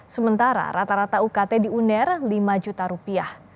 sementara rata rata ukt di uner lima juta rupiah